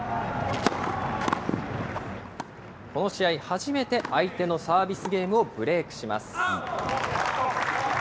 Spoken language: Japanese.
この試合初めて相手のサービスゲームをブレークします。